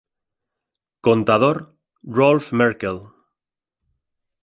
Contador: Rolf Merkle.